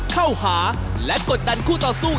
เข้าหาและกดดันคู่ต่อสู้